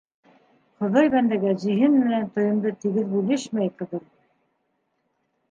Хоҙай бәндәгә зиһен менән тойомдо тигеҙ бүлешмәй, ҡыҙым.